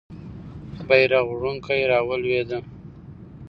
بیرغ وړونکی رالوېده.